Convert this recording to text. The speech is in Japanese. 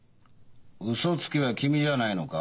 ウソつきは君じゃないのか？